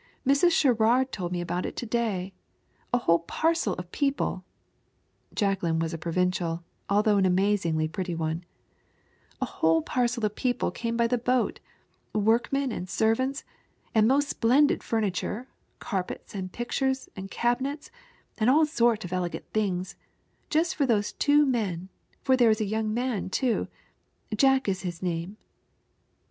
Mrs. Sherrard told me about it to day. A whole parcel of people" Jacqueline was a provincial, although an amazingly pretty one "a whole parcel of people came by the boat workmen and servants, and most splendid furniture, carpets, and pictures, and cabinets, and all sorts of elegant things just for those two men for there is a young man, too Jack is his name."